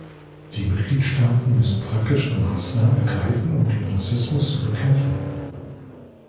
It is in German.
Die Mitgliedstaaten müssen praktische Maßnahmen ergreifen, um den Rassismus zu bekämpfen.